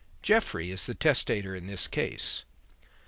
Jeffrey is the testator in this case.